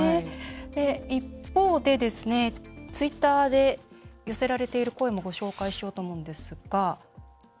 一方で、ツイッターで寄せられている声もご紹介しようと思うんですが。